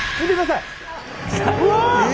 うわ！